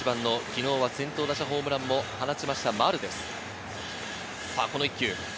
昨日は先頭打者ホームランを放ちました。